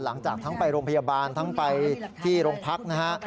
หลังจากทั้งไปโรงพยาบาลทั้งไปที่โรงพักนะฮะ